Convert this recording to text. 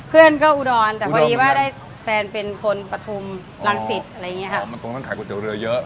เพื่อนก็อุดรแต่พอดีว่าได้แฟนเป็นคนปฐุมรังสิตอะไรอย่างเงี้ค่ะอ๋อมันตรงนั้นขายก๋วเรือเยอะ